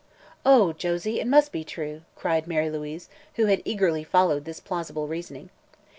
"Oh, Josie, it must be true!" cried Mary Louise, who had eagerly followed this plausible reasoning.